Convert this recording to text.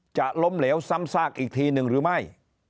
จะล้มเหลวซ้ำซากอีกทีหนึ่งหรือไม่